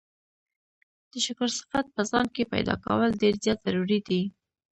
د شکر صفت په ځان کي پيدا کول ډير زيات ضروري دی